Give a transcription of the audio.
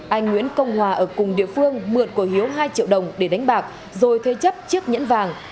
anh nguyễn công hòa ở cùng địa phương mượn của hiếu hai triệu đồng để đánh bạc rồi thuê chấp chiếc nhẫn vàng